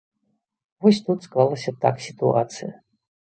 Вось тут склалася так сітуацыя.